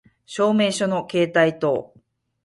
証明書の携帯等